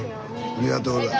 ありがとうござい。